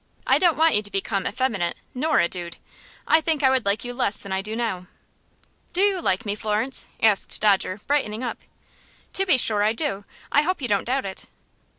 "I don't want you to become effeminate nor a dude. I think I would like you less than I do now." "Do you like me, Florence?" asked Dodger, brightening up. "To be sure I do. I hope you don't doubt it."